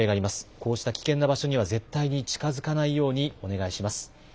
こうした危険な場所には絶対に近づかないようにお願いします。